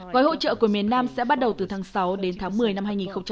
gói hỗ trợ của miền nam sẽ bắt đầu từ tháng sáu đến tháng một mươi năm hai nghìn hai mươi